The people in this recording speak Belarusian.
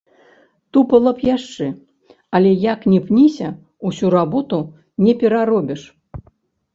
Тупала б яшчэ, але як ні пніся, усю работу не пераробіш.